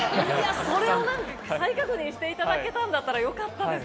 それを再確認していただけたんならよかったです。